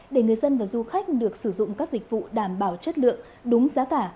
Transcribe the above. để người dân và du khách được sử dụng các dịch vụ đảm bảo chất lượng đúng giá cả